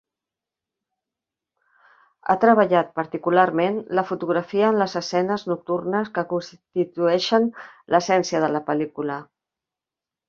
Ha treballat particularment la fotografia en les escenes nocturnes que constitueixen l'essència de la pel·lícula.